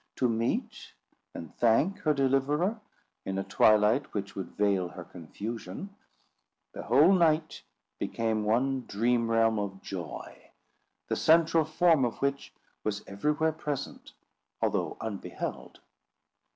to meet and thank her deliverer in a twilight which would veil her confusion, the whole night became one dream realm of joy, the central form of which was everywhere present, although unbeheld.